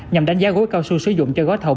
nhằm đánh giá gỗ cao su sử dụng cho gói thầu